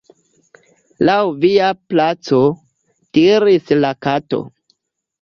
"Laŭ via plaĉo," diris la Kato.